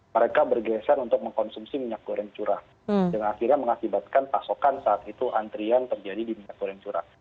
mereka bergeser untuk mengkonsumsi minyak goreng curah yang akhirnya mengakibatkan pasokan saat itu antrian terjadi di minyak goreng curah